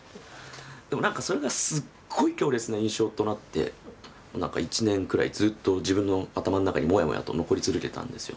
でもなんかそれがすっごい強烈な印象となってなんか１年くらいずっと自分の頭の中にもやもやと残り続けたんですよ。